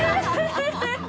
ハハハハハ。